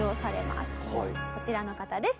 こちらの方です。